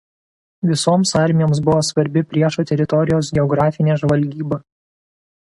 Visoms armijoms buvo svarbi priešo teritorijos geografinė žvalgyba.